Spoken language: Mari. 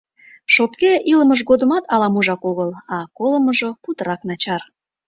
Шопке илымыж годымат ала-можак огыл, а колымыжо — путырак начар.